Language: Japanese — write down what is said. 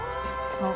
あっ。